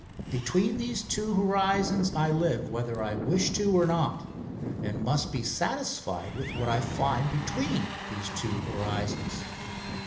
Between these two horizons I live, whether I wish to or not, and must be satisfied with what I find between these two horizons.